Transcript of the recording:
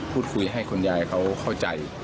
พูดคุยให้คุณยายเขาเข้าใจ